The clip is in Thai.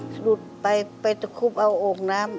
สะดุดไปไปตะคุบเอาโอ่งน้ำ